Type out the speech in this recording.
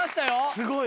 すごい。